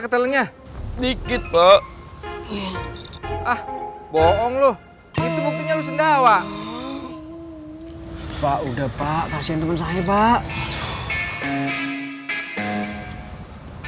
terima kasih pak ah bohong loh itu buktinya lu sendawa pak udah pak kasihan teman saya pak